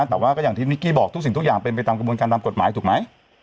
แต่ว่าก็อย่างที่นิกกี้บอกทุกสิ่งทุกอย่างเป็นไปตามกระบวนการตามกฎหมายถูกไหม